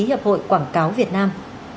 hiệp hội quảng cáo việt nam